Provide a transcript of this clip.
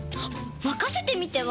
まかせてみては？